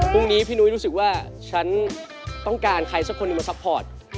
พรุ่งนี้พี่นุ้ยรู้สึกว่าฉันต้องการใครสักคนมาซัพพอร์ต